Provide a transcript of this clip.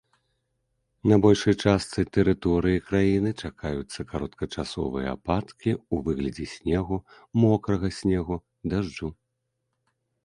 На большай частцы тэрыторыі краіны чакаюцца кароткачасовыя ападкі ў выглядзе снегу, мокрага снегу, дажджу.